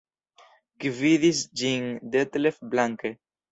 Gvidis ĝin Detlev Blanke.